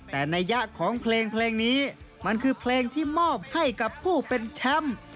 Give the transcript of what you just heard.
แต่นัยยะของเพลงนี้มันคือเพลงที่มอบให้กับผู้เป็นแชมป์